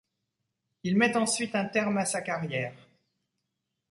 Il met ensuite un terme à sa carrière.